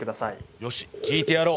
よし、聴いてやろう。